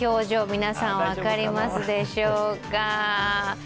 皆さん、分かりますでしょうか。